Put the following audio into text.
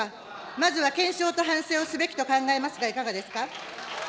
まずは検証と反省をすべきと考えますが、いかがですか。